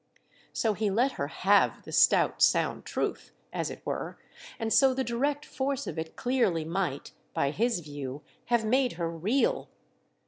So he let her "have" the stout sound truth, as it were—and so the direct force of it clearly might, by his view, have made her reel.